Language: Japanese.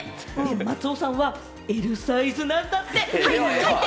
松尾さんはＬサイズなんだって！